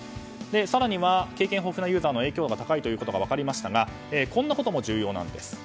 更には経験豊富なユーザーの影響度が高いということが分かりましたがこんなことも重要なんです。